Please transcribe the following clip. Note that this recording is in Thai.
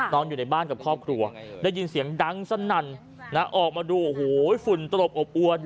นอนอยู่ในบ้านกับครอบครัวได้ยินเสียงดังสนั่นออกมาดูโอ้โหฝุ่นตลบอบอวน